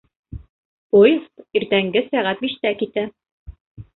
Поезд иртәнге сәғәт биштә китә.